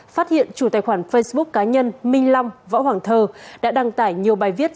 phát hiện chủ tài khoản facebook cá nhân minh long võ hoàng thơ đã đăng tải nhiều bài viết